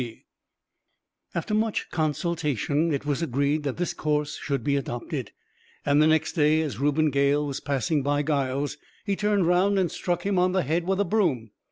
After much consultation, it was agreed that this course should be adopted; and the next day, as Reuben Gale was passing by Giles, he turned round and struck him on the head with a broom.